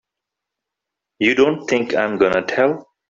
You don't think I'm gonna tell!